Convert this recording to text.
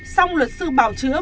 xong luật sư bào chữa